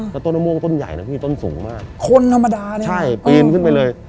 แล้วต้นมะม่วงต้นใหญ่นะพี่ต้นสูงมากคนธรรมดาเนี่ยใช่ปีนขึ้นไปเลย